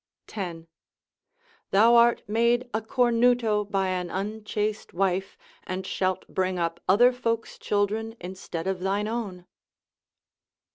—10. Thou art made a cornuto by an unchaste wife, and shalt bring up other folks' children instead of thine own.